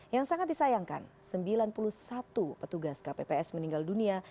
yang sangat disayangkan sembilan puluh satu petugas kpps meninggal dunia